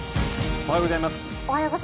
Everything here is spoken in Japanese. おはようございます。